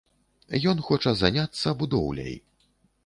Ён хоча заняцца будоўляй.